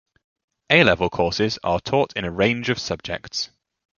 A-level courses are taught in a range of subjects.